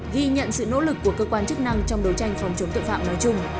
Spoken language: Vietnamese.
ghi nhận sự nỗ lực của cơ quan chức năng trong đấu tranh phòng chống tội phạm nói chung